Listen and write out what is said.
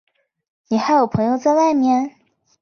你还有朋友在外面？